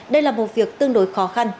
đây là một việc tương đối khó khăn